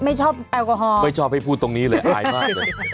ไม่ชอบแอลกอฮอลไม่ชอบให้พูดตรงนี้เลยอายมากเลย